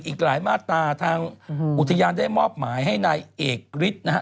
อีกหลายมาตราทางอุทยานได้มอบหมายให้นายเอกฤทธิ์นะฮะ